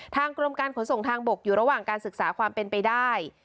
กรมการขนส่งทางบกอยู่ระหว่างการศึกษาความเป็นไปได้